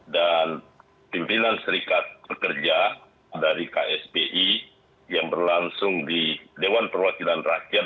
dan pimpinan serikat pekerja dari ksbi yang berlangsung di dewan perwakilan rakyat